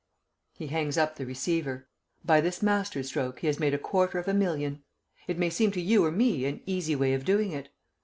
He hangs up the receiver. By this master stroke he has made a quarter of a million. It may seem to you or me an easy way of doing it.